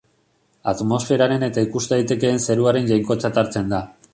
Atmosferaren eta ikus daitekeen zeruaren jainkotzat hartzen da.